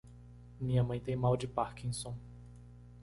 Minha mãe tem mal de Parkinson.